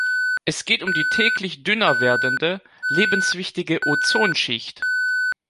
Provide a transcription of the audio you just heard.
Es geht um die täglich dünner werdende, lebenswichtige Ozonschicht.